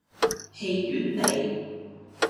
戲院里